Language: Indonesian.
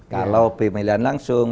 kalau pemilihan langsung